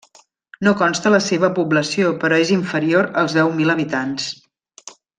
No consta la seva població però és inferior als deu mil habitants.